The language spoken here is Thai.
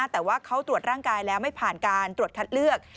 แต่ว่าเขาตรวจร่างกายแล้วไม่ผ่านการตรวจคัดเลือก